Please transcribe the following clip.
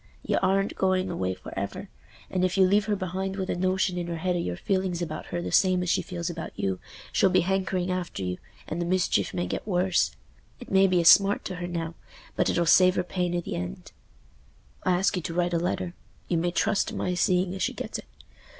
Y'aren't going away for ever, and if you leave her behind with a notion in her head o' your feeling about her the same as she feels about you, she'll be hankering after you, and the mischief may get worse. It may be a smart to her now, but it'll save her pain i' th' end. I ask you to write a letter—you may trust to my seeing as she gets it.